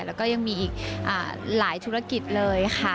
แล้วก็ยังมีอีกหลายธุรกิจเลยค่ะ